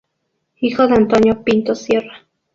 Hijo de Antonio Pintos Sierra.